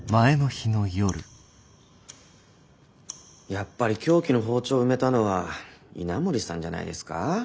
やっぱり凶器の包丁を埋めたのは稲森さんじゃないですか？